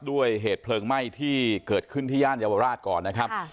ด้วยเหตุเพลิงไหม้ที่เกิดขึ้นที่ย่านเยาวราชก่อนนะครับ